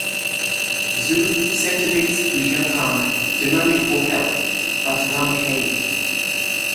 Zu sent edicts to Jiankang demanding for help but none came.